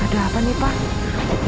ada apa nih pak